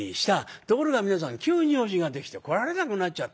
ところが皆さん急に用事ができて来られなくなっちゃった。